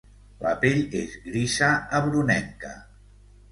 La pell és grisa a brunenca.